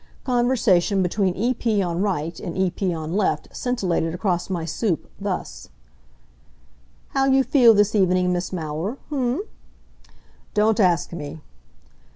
Conversation between E. P. on right, and E. P. on left scintillated across my soup, thus: "How you feel this evening Mis' Maurer, h'm?" "Don't ask me."